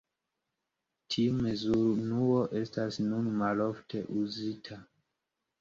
Tiu mezurunuo estas nun malofte uzita.